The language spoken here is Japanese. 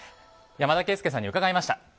山田惠資さんに伺いました。